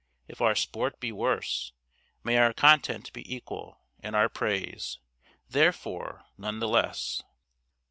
If our sport be worse, may our content be equal, and our praise, therefore, none the less.